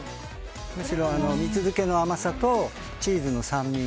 むしろ蜜漬けの甘さとチーズの酸味。